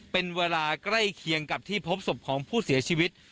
เป็นเวลาใกล้เคียงกับที่พบศพของผู้เสียชีวิต